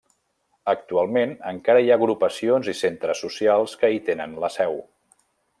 Actualment encara hi ha agrupacions i centres socials que hi tenen la seu.